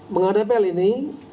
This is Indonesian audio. menghadapi hal ini